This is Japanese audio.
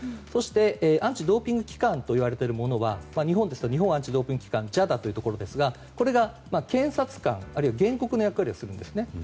そしてアンチ・ドーピング機関と呼ばれているものはＪＡＤＡ・日本反ドーピング機構というところですが検察官、あるいは原告の役割をするんですね。